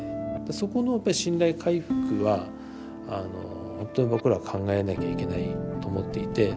そこのやっぱ信頼回復はほんとに僕ら考えなきゃいけないと思っていて。